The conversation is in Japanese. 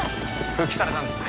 復帰されたんですね